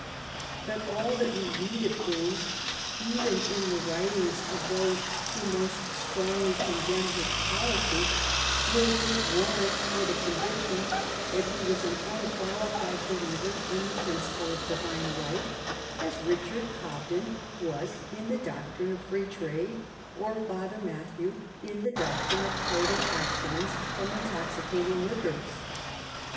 But all that we read of James, even in the writings of those who most strongly condemn his policy, will give warrant for the convic tion that he was an unqualified believer in the principle of divine right, as Richard Ccbden was in the doctrine of free trade, or Father M.athew in the doctrine of total abstinence from intoxicating liquors.